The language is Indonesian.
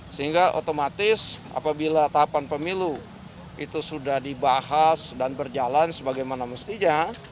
sehingga otomatis apabila tahapan pemilu itu sudah dibahas dan berjalan sebagaimana mestinya